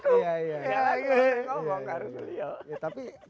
kok mau karus beliau